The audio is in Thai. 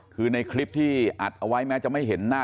คือในคลิปที่อัดเอาไว้แม้จะไม่เห็นหน้า